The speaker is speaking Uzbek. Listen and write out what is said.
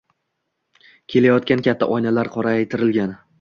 Kelayotgan katta oynalari qoraytirilgan